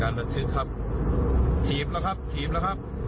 บันทึกครับถีบแล้วครับถีบแล้วครับ